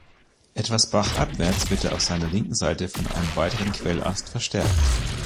Etwas bachabwärts wird er auf seiner linken Seite von einen weiteren Quellast verstärkt.